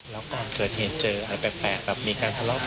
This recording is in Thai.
แล้วก่อนเกิดเหตุเจออะไรแปลก